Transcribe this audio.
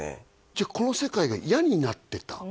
じゃあこの世界が嫌になってた？